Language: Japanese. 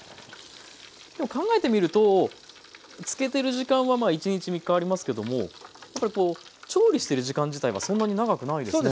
でも考えてみると漬けてる時間はまあ１日３日ありますけどもやっぱりこう調理してる時間自体はそんなに長くないですね。